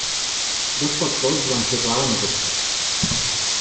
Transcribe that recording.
Dos factors van ser clau en aquest fet.